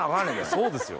そうですよ。